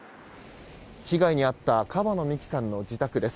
被害に遭った川野美樹さんの自宅です。